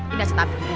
ini aja tapi